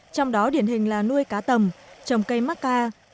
trong đó điển hình là nuôi cá tầm trồng cây mắc ca